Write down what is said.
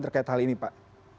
terkait hal ini pak